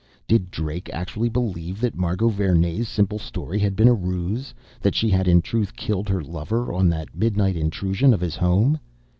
Did Drake actually believe that Margot Vernee's simple story had been a ruse that she had in truth killed her lover on that midnight intrusion of his home?